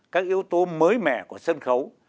các yếu tố mới mẻ của sân khấu